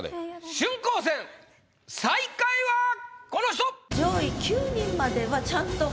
春光戦最下位はこの人！